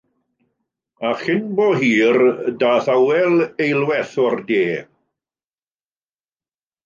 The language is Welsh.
A chyn bo hir daeth awel eilwaith o'r de.